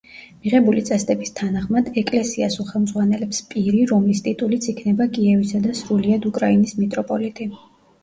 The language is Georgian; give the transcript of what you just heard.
მიღებული წესდების თანახმად, ეკლესიას უხელმძღვანელებს პირი რომლის ტიტულიც იქნება „კიევისა და სრულიად უკრაინის მიტროპოლიტი“.